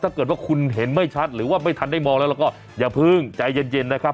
ถ้าเกิดว่าคุณเห็นไม่ชัดหรือว่าไม่ทันได้มองแล้วเราก็อย่าเพิ่งใจเย็นนะครับ